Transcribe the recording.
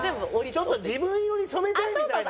ちょっと自分色に染めたいみたいな。